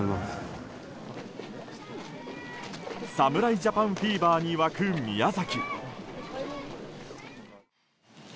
侍ジャパンフィーバーに沸く宮崎。